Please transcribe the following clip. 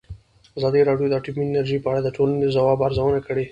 ازادي راډیو د اټومي انرژي په اړه د ټولنې د ځواب ارزونه کړې.